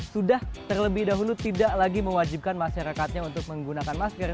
sudah terlebih dahulu tidak lagi mewajibkan masyarakatnya untuk menggunakan masker